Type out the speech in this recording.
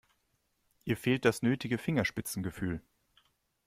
Ihr fehlt das nötige Fingerspitzengefühl.